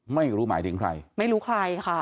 ไม่รู้หมายถึงใครไม่รู้ใครค่ะ